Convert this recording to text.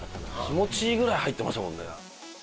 気持ちいいぐらい入ってましたもんね。